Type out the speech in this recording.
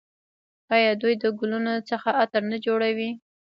آیا دوی د ګلونو څخه عطر نه جوړوي؟